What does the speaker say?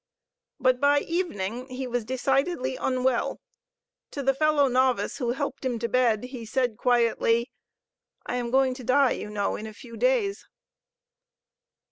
But by evening he was decidedly unwell. To the fellow novice who helped him to bed he said quietly, "I am going to die, you know, in a few days."